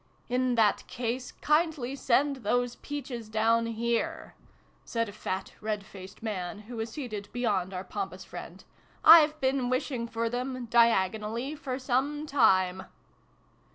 " "In that case, kindly send those peaches down here," said a fat red faced man, who was seated beyond our pompous friend. " I've been wishing for them diagonally for some time